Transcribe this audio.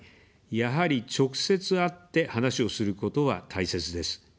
やはり、直接会って話をすることは大切です。